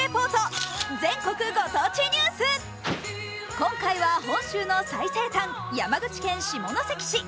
今回は本州の最西端・山口県下関市。